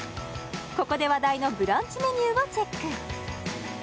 ここで話題のブランチメニューをチェック